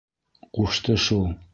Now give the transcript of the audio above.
Ҡушты шул.